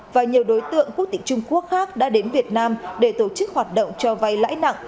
và nhiều đối tượng quốc tịch trung quốc khác đã đến việt nam để tổ chức hoạt động cho vay lãi nặng